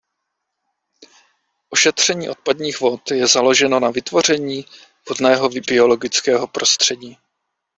Ošetření odpadních vod je založeno na vytvoření vhodného biologického prostředí.